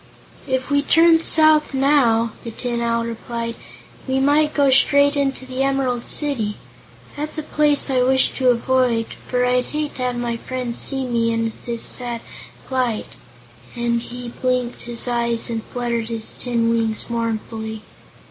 "If we turn south now," the Tin Owl replied, "we might go straight into the Emerald City. That's a place I wish to avoid, for I'd hate to have my friends see me in this sad plight," and he blinked his eyes and fluttered his tin wings mournfully.